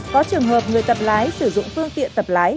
có trường hợp người tập lái sử dụng phương tiện tập lái